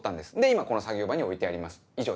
今この作業場に置いてあります以上です。